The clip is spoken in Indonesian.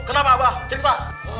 kenapa apa cerita